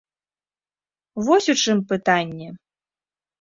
Вось у чым пытанне.